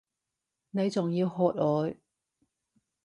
你仲要喝我！